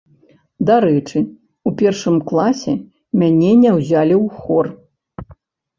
Дарэчы, у першым класе мяне не ўзялі ў хор.